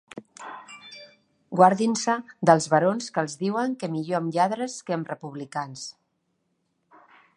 Guardin-se dels barons que els diuen que millor amb lladres que amb republicans.